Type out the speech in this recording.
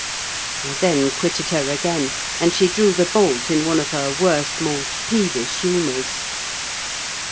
I then quitted her again, and she drew the bolt in one of her worst, most peevish humours.